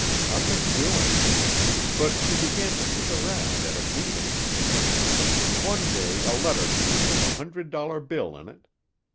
Nothing doing. But she began to hint around at a meeting. One day a letter came with a hundred dollar bill in it.